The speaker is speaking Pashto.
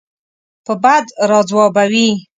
په بد راځوابوي.